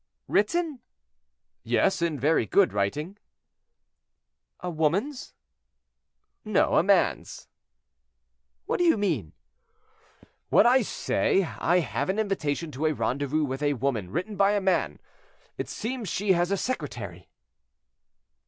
"Written?" "Yes; in very good writing." "A woman's?" "No; a man's." "What do you mean?" "What I say. I have an invitation to a rendezvous with a woman, written by a man; it seems she has a secretary."